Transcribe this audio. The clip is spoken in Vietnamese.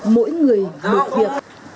mỗi người một việc